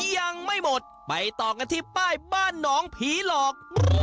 ยังไม่หมดไปต่อกันที่ป้ายบ้านหนองผีหลอก